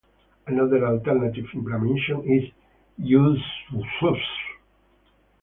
Another alternative implementation is uswsusp.